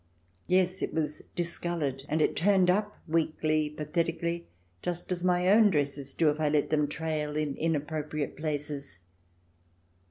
Yes, it was discoloured, and it turned up, weakly, pathetically, just as my own dresses do if I let them trail in in appropriate places.